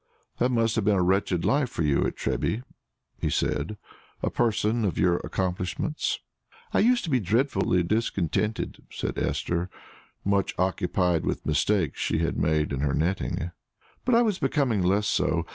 "That must have been a wretched life for you at Treby," he said "a person of your accomplishments." "I used to be dreadfully discontented," said Esther, much occupied with mistakes she had made in her netting. "But I was becoming less so.